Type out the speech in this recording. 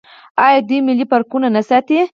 آیا دوی ملي پارکونه نه ساتي؟